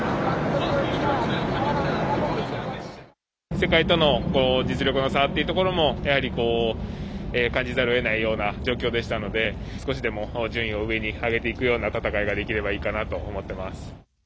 世界との実力の差というのもやはり感じざるをえないような状況でしたので少しでも順位を上に上げていくような戦いができればいいかなと思っています。